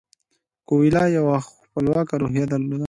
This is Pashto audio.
کویلیو یوه خپلواکه روحیه درلوده.